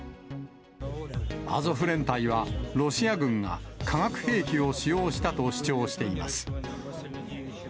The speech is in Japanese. アゾフ連隊は、ロシア軍が化学兵器を使用したと主張しています。